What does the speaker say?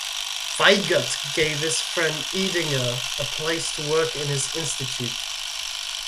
Weigert gave his friend Edinger a place to work in his institute.